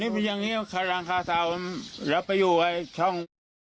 เกลียดทุกฟัง